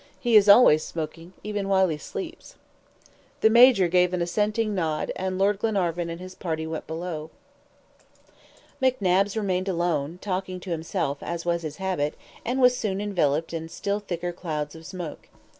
He is always smoking, even while he sleeps." The Major gave an assenting nod, and Lord Glenarvan and his party went below. McNabbs remained alone, talking to himself, as was his habit, and was soon enveloped in still thicker clouds of smoke.